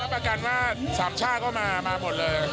รับประกันว่า๓ช่างก็มามาหมดเลย